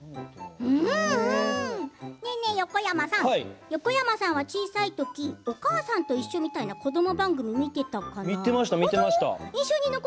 ねえねえ、横山さん横山さんは、小さい時「おかあさんといっしょ」みたいな子ども番組見ていたかな？